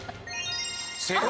正解。